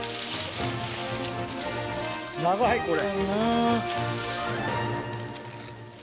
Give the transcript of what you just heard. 長いこれ。